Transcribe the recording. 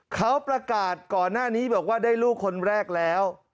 เขาประกาศก่อนหน้านี้บอกว่าได้ลูกคนแรกแล้ว